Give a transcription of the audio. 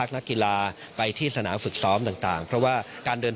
ด้านนักกีฬานอกจากการได้มารับประทานอาหารไทยให้อิ่มท้องยังมีบริการนวดกายภาพบำบัดเพื่อให้อิ่มท้อง